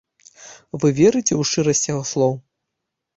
Вы верыце ў шчырасць яго слоў?